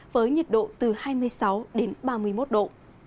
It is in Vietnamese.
với nhiệt độ từ hai mươi sáu đến ba mươi một độ